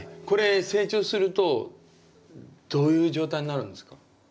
これ成長するとどういう状態になるんですか？